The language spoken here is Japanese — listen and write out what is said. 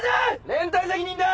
連帯責任だ！